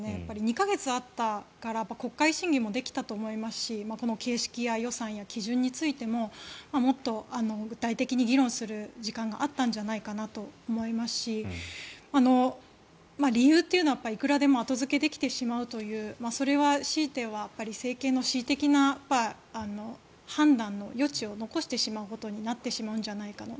２か月あったから国会審議もできたと思いますし形式や予算や基準についてももっと具体的に議論する時間があったんじゃないかなと思いますし理由というのはいくらでも後付けできてしまうというそれは、ひいては政権の恣意的な判断の余地を残してしまうことになってしまうんじゃないかな。